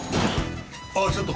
あっちょっと。